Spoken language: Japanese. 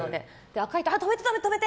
赤いと、止めて止めて！